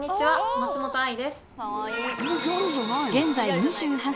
松本愛です